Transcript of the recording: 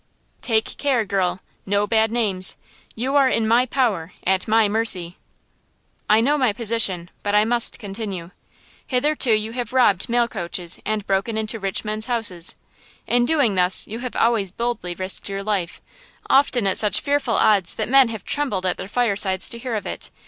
"Take care, girl–no bad names! You are in my power–at my mercy!" "I know my position, but I must continue. Hitherto you have robbed mail coaches and broken into rich men's houses. In doing thus you have always boldly risked your life, often at such fearful odds that men have trembled at their firesides to hear of it.